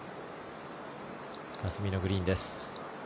霞のグリーンです。